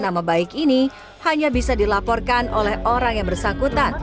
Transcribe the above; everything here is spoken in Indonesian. nama baik ini hanya bisa dilaporkan oleh orang yang bersangkutan